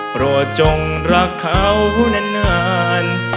โปรดจงรักเขานาน